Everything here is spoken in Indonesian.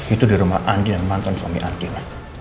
itu di rumah andin yang mantan suami andin